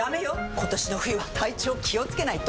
今年の冬は体調気をつけないと！